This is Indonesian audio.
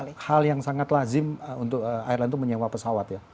karena hal yang sangat lazim untuk airline itu menyewa pesawat ya